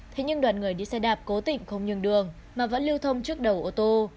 thế nhưng đoàn người đi xe đạp cố tỉnh không nhường đường mà vẫn lưu thông trước đầu ô tô